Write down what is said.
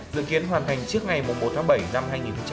dự kiến hoàn thành trước ngày một tháng bảy năm hai nghìn một mươi bảy